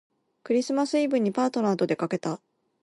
クリスマスイブにパートナーとでかけた